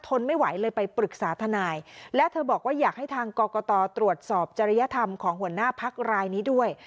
ไม่ไหวเลยไปปรึกษาทนายและเธอบอกว่าอยากให้ทางกรกตตรวจสอบจริยธรรมของหัวหน้าพักรายนี้ด้วย